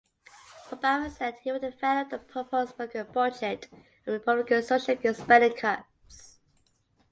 Obama said he would veto a proposed Republican budget over Republican social spending cuts.